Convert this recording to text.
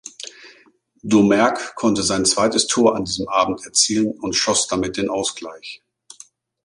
Domergue konnte sein zweites Tor an diesem Abend erzielen und schoss damit den Ausgleich.